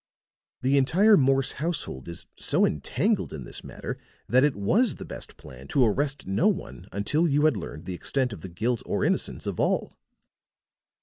The entire Morse household is so entangled in this matter that it was the best plan to arrest no one until you had learned the extent of the guilt or innocence of all."